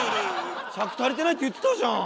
尺足りてないって言ってたじゃん！